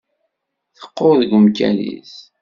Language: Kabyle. Teqqur deg umkan-is.